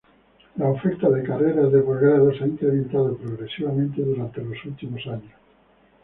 La oferta de carreras de posgrado se ha incrementado progresivamente durante los últimos años.